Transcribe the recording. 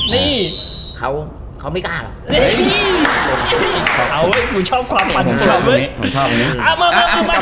นี่เขาเขาไม่กล้าหรอกเก้าเฮ้ย